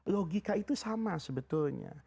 logika itu sama sebetulnya